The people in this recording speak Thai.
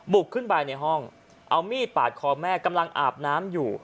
ขึ้นไปในห้องเอามีดปาดคอแม่กำลังอาบน้ำอยู่